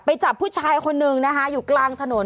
จับผู้ชายคนนึงนะคะอยู่กลางถนน